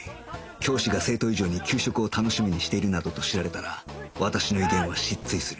教師が生徒以上に給食を楽しみにしているなどと知られたら私の威厳は失墜する